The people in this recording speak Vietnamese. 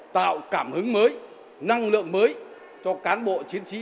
tạo cảm hứng mới năng lượng mới cho cán bộ chiến sĩ